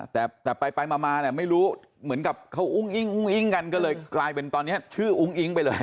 แต่ไปมาเนี่ยไม่รู้เหมือนกับเขาอุ้งอิงอุ้งอิ๊งกันก็เลยกลายเป็นตอนนี้ชื่ออุ้งอิ๊งไปเลย